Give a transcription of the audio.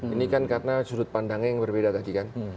ini kan karena sudut pandangnya yang berbeda tadi kan